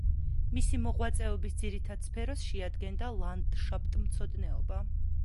მისი მოღვაწეობის ძირითად სფეროს შეადგენდა ლანდშაფტმცოდნეობა.